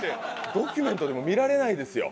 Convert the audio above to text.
ドキュメントでも見られないですよ